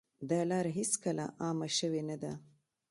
دا لاره هېڅکله عامه شوې نه ده.